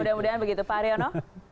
mudah mudahan begitu pak haryono